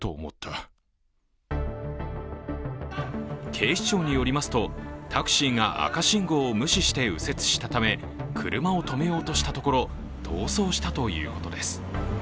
警視庁によりますと、タクシーが赤信号を無視して右折したため車を止めようしたところ、逃走したということです。